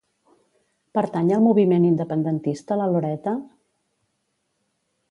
Pertany al moviment independentista la Loreta?